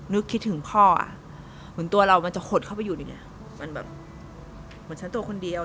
นึกคิดถึงพ่ออ่ะเหมือนตัวเรามันจะขดเข้าไปอยู่ในนี้มันแบบเหมือนฉันตัวคนเดียว